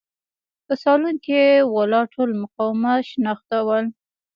په سالون کې ولاړ ټول مقامات شناخته ول.